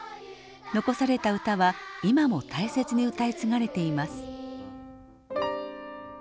残された歌は今も大切に歌い継がれています。